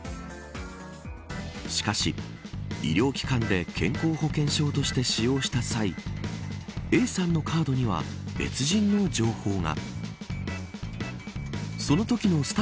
しかし、医療機関で健康保険証として使用した際Ａさんのカードには別人の情報が。